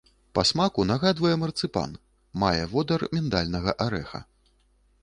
Па смаку нагадвае марцыпан, мае водар міндальнага арэха.